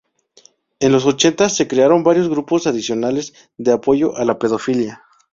En los ochenta se crearon varios grupos adicionales de apoyo a la pedofilia.